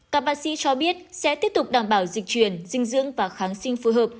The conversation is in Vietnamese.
các bác sĩ cho biết sẽ tiếp tục đảm bảo dịch truyền dinh dưỡng và kháng sinh phù hợp